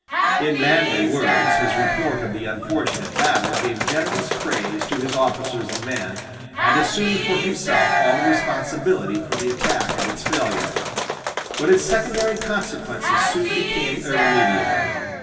In manly words his report of the unfortunate battle gave generous praise to his officers and men, and assumed for himself all the responsibility for the attack and its failure. But its secondary consequences soon became irremediable.